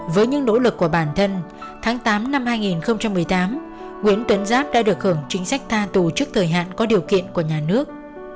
với những nỗ lực của bản thân tháng tám năm hai nghìn một mươi tám nguyễn tuấn giáp đã được hưởng chính sách tha tù trước thời hạn có điều kiện của nhà nước